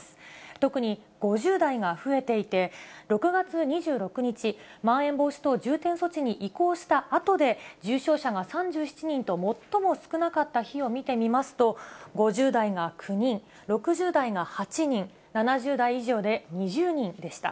特に５０代が増えていて、６月２６日、まん延防止等重点措置に移行したあとで、重症者が３７人と最も少なかった日を見てみますと、５０代が９人、６０代が８人、７０代以上で２０人でした。